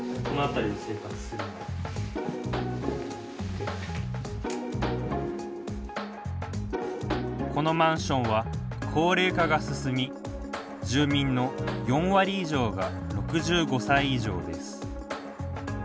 このマンションは高齢化が進み住民の４割以上が６５歳以上です。